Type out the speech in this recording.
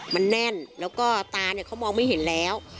มันแน่นเราก็ตาเนอะเค้ามองไม่เห็นแล้ว